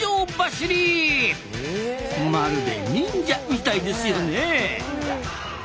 まるで忍者みたいですよね！